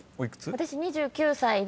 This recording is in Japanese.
私２９歳で。